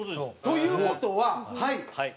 という事ははい。